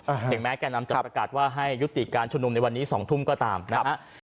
ถึงแม้แก่นำจะประกาศว่าให้ยุติการชุมนุมในวันนี้สองทุ่มก็ตามนะฮะ